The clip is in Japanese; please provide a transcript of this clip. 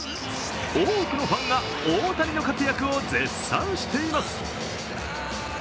多くのファンが大谷の活躍を絶賛しています。